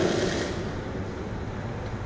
situasi negara sekarang dikutuk berat